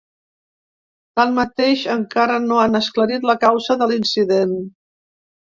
Tanmateix, encara no han esclarit la causa de l’incident.